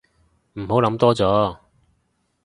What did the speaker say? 唔好諗多咗